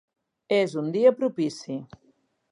És un dia propici.